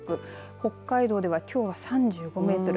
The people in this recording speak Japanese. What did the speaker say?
北海道ではきょうは３５メートル